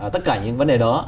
tất cả những vấn đề đó